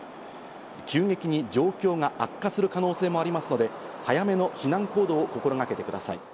急激に状況が悪化する可能性もありますので、早めの避難行動を心がけてください。